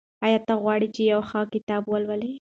آیا ته غواړې چې یو ښه کتاب ولولې؟